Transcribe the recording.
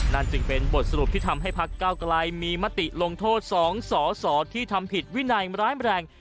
นั่นจึงเป็นบทสรุปที่ทำให้พักเก้าไกลมีมติลงโทษ๒สสที่ทำผิดวินัยร้ายแรง